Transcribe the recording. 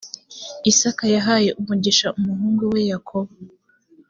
isaka yahaye umugisha umuhungu we yakobo